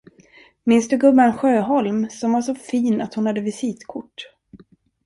Minns du gumman Sjöholm, som var så fin att hon hade visitkort.